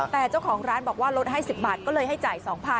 แต่เจ้าของร้านบอกว่าลดให้๑๐บาทก็เลยให้จ่าย๒๐๐๐